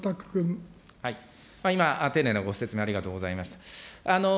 今、丁寧なご説明、ありがとうございました。